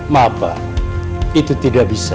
maaf pak itu tidak bisa